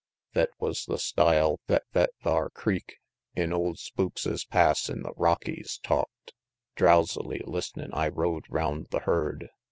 '" XXI. Thet wus the style thet thet thar creek In "Old Spookses' Pass," in the Rockies, talked; Drowzily list'nin' I rode round the herd.